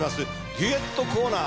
デュエットコーナー